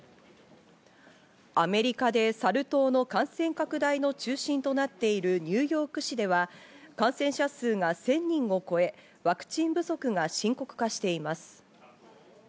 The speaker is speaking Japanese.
アメリカでサル痘の感染拡大の中心となっているニューヨーク市では、感染者数が１０００人を超え、ワクチン不足が深刻化しています。